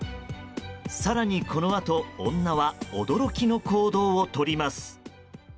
更に、このあと女は驚きの行動をとります。